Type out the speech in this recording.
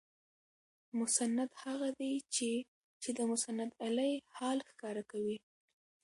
مسند هغه دئ، چي چي د مسندالیه حال ښکاره کوي.